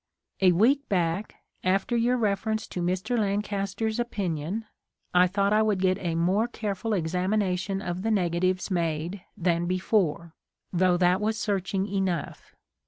A week back, after your reference to Mr. Lancaster's opinion, I thought I would get a more careful examination of the negatives made than before, though that was searching enough.